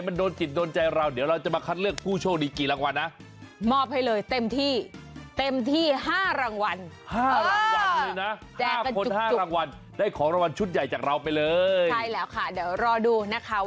เออแล้วมันสั่งข้าวแบบพิเศษ